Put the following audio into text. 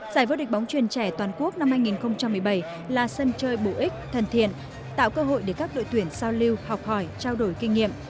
giải vô địch bóng truyền trẻ toàn quốc năm hai nghìn một mươi bảy là sân chơi bổ ích thân thiện tạo cơ hội để các đội tuyển giao lưu học hỏi trao đổi kinh nghiệm